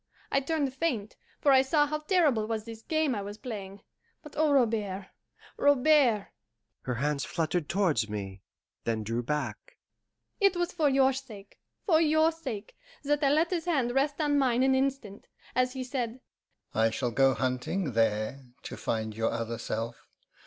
I turned faint, for I saw how terrible was this game I was playing; but oh, Robert, Robert," her hands fluttered towards me, then drew back "it was for your sake, for your sake, that I let his hand rest on mine an instant, as he said: 'I shall go hunting THERE to find your other self.